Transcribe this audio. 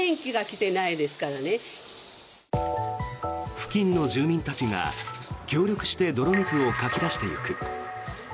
付近の住民たちが協力して泥水をかき出していく。